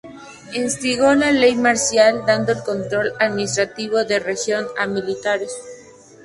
Instigó la ley marcial, dando el control administrativo de la región a los militares.